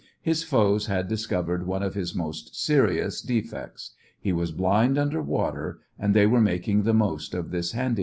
His foes had discovered one of his most serious defects. He was blind under water and they were making the most of this handicap.